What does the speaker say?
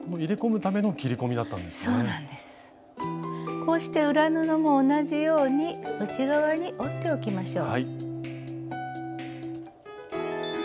こうして裏布も同じように内側に折っておきましょう。